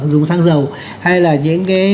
dùng sang dầu hay là những cái